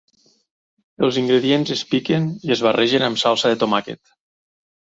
Els ingredients es piquen i es barregen amb la salsa de tomàquet.